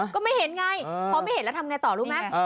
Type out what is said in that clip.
ก็ไม่เห็นไงพอไม่เห็นแล้วทำไงต่อรู้ไหม